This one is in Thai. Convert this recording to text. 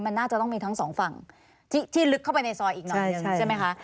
มันน่าจะต้องมีทั้งสองฝั่งที่ลึกเข้าไปในซอยอีกหน่อยหนึ่งใช่ไหมคะ